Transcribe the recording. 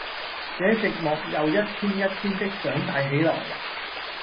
這寂寞又一天一天的長大起來，